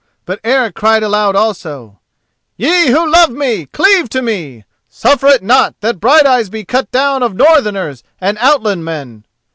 But Eric cried aloud also: "Ye who love me, cleave to me. Suffer it not that Brighteyes be cut down of northerners and outland men.